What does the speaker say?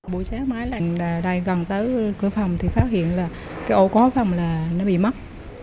buổi sáng mai là đây gần tới cửa phòng thì phát hiện là cái ổ khóa phòng là nó bị mất